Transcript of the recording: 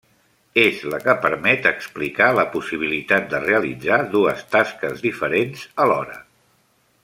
És la que permet explicar la possibilitat de realitzar dues tasques diferents alhora.